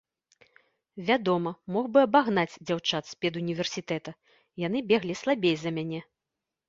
Вядома, мог бы абагнаць дзяўчат з педуніверсітэта, яны беглі слабей за мяне.